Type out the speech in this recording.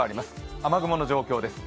雨雲の状況です